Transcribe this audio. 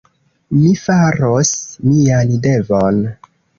Mi faros mian devon.